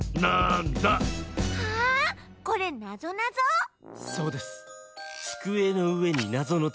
これなぞなぞ？